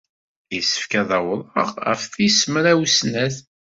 Yessefk ad awḍeɣ ɣef tis mraw snat.